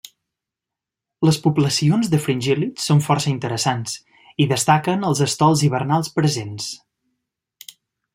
Les poblacions de fringíl·lids són força interessants i destaquen els estols hivernals presents.